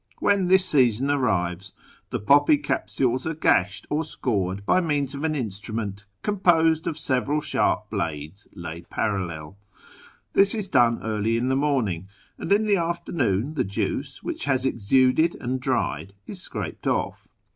When this season arrives the poppy capsules are gashed or scored by means of an instrument composed of several sharp blades laid parallel This is done early in the morning, and in the afternoon the juice, which has 196 •/ YEAR AMONGST THE PERSIANS exuded and dried, is scraped off.